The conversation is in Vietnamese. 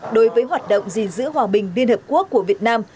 đối với hoạt động gìn giữ hòa bình liên hợp quốc của việt nam